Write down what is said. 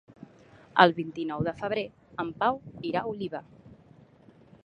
El vint-i-nou de febrer en Pau irà a Oliva.